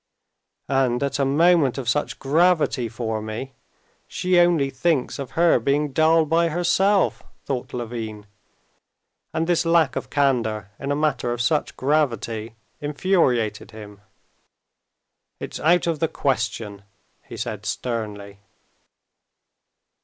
"And, at a moment of such gravity for me, she only thinks of her being dull by herself," thought Levin. And this lack of candor in a matter of such gravity infuriated him. "It's out of the question," he said sternly.